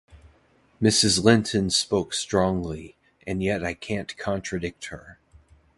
Mrs. Linton spoke strongly, and yet I can’t contradict her.